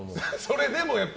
それでも？